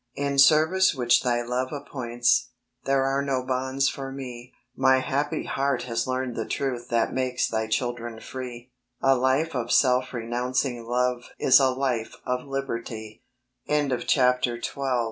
In service which Thy love appoints, There are no bonds for me; My happy heart has learned the truth That makes Thy children free ; A life of self renouncing love Is a life of